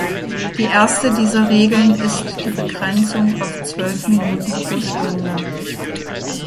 Die erste dieser Regeln ist die Begrenzung auf zwölf Minuten pro Stunde.